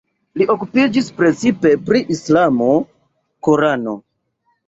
Li okupiĝis precipe pri islamo, Korano.